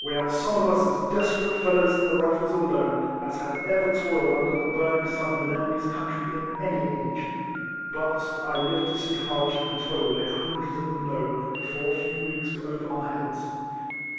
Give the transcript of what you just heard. We had some of as desperate fellows in the Rifles alone as had ever toiled under the burning sun of an enemy's country in any age ; but I lived to see hardship and toil lay hundreds RIFLEMAN HARRIS. 105 of them low, before a few weeks were over our heads.